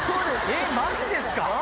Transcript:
えっマジですか！